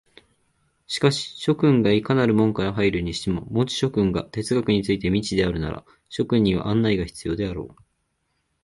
しかし諸君がいかなる門から入るにしても、もし諸君が哲学について未知であるなら、諸君には案内が必要であろう。